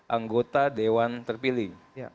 anggota dewan terpilih